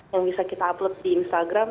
yang bisa kita upload di instagram